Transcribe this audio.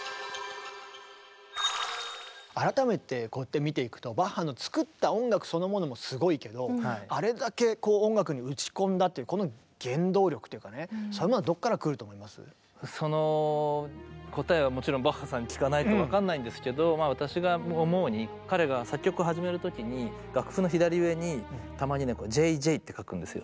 改めてこうやって見ていくとバッハの作った音楽そのものもすごいけどその答えはもちろんバッハさんに聞かないと分かんないんですけど私が思うに彼が作曲を始める時に楽譜の左上にたまにね「Ｊ．Ｊ．」って書くんですよ。